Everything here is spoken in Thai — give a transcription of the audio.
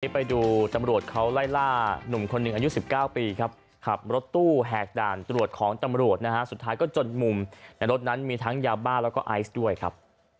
ไปดูตำรวจเขาไล่ล่านุ่มคนหนึ่งอายุ๑๙ปีครับขับรถตู้แหกด่านตรวจของตำรวจนะฮะสุดท้ายก็จนมุมในรถนั้นมีทั้งยาบ้าแล้วก็ไอซ์ด้วยครับ